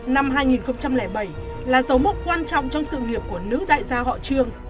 năm hai nghìn bảy là dấu mốc quan trọng trong sự nghiệp của nữ đại gia họ trương